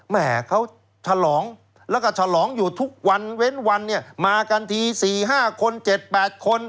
แมา่เขาฉลองแล้วก็ฉลองอยู่ทุกเว้นมากันที๔๕คน๗๘คน